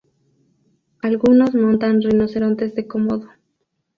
Algunos montan rinocerontes de komodo.